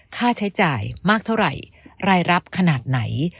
ค่าใช้จ่ายมากเท่าไหร่รายรับขนาดไหน